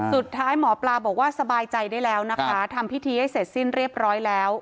สุดท้ายหมอปลาบอกว่าสบายใจได้แล้วนะคะทำพิธีให้เสร็จสิ้นเรียบร้อยแล้ว